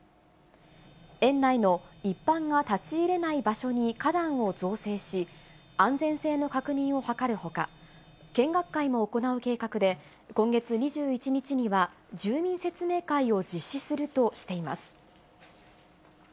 園内の一般が立ち入れない場所に花壇を造成し、安全性の確認をはかるほか、見学会も行う計画で、今月２１日には住民説明会を実施するとしています。